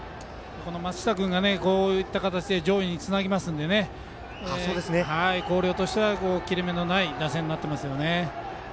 松下君が上位につなぎますので広陵としては切れ目のない打線になっています。